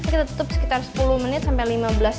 kita tutup sekitar sepuluh menit sampai lima belas menit